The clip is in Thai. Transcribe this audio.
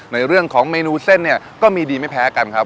ในเรื่องของเมนูเส้นเนี่ยก็มีดีไม่แพ้กันครับ